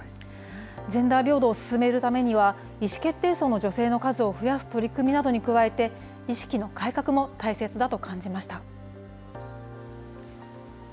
ジェンダー平等を進めるためには、意思決定層の女性の数を増やす取り組みなどに加えて、意識の改革も大切だと感じました。